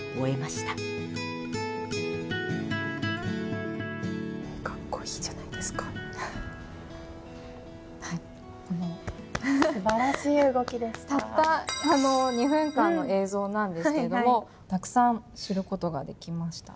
たった２分間の映像なんですけれどもたくさん知る事ができました。